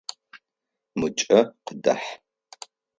Мыкӏэ къыдахь!